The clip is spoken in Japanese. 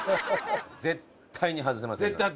絶対に外せませんから。